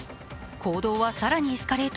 行動は更にエスカレート。